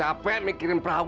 ayah capek mikirin perahu itu